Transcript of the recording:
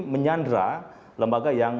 menyandra lembaga yang